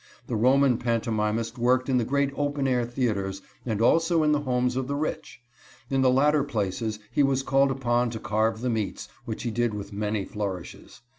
The Roman pantomimist worked in the great open air theaters, and also in the homes of the rich. In the latter places he was called upon to carve the meats, which he did with many flourishes.